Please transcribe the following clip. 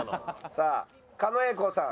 さあ狩野英孝さん。